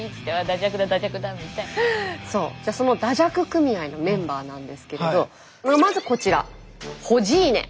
じゃあそのだじゃく組合のメンバーなんですけれどまずこちら「ホジーネ」。